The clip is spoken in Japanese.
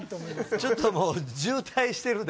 ちょっともう、渋滞してるで。